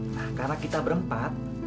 nah karena kita berempat